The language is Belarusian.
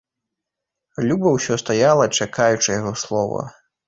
Люба ўсё стаяла, чакаючы яго слова.